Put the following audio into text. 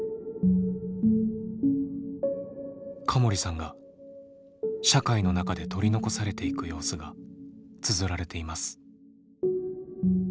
可盛さんが社会の中で取り残されていく様子がつづられています。